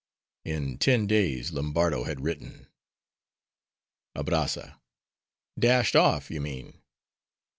In ten days Lombardo had written— ABRAZZA—Dashed off, you mean.